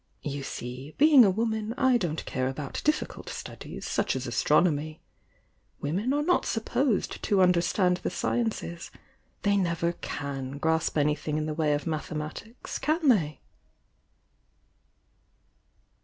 "You see, being a woman, I don't care about difficult studies, such as astronomy. Women are not supposed to understand the sciences, — they never can grasp anything in the way of mathematics, can they?"